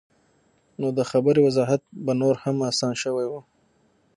نو د خبرې وضاحت به نور هم اسان شوے وۀ -